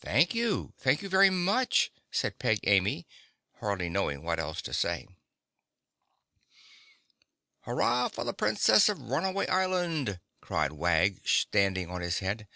"Thank you! Thank you very much!" said Peg Amy, hardly knowing what else to say. "Hurrah for the Princess of Runaway Island!" cried Wag, standing on his head.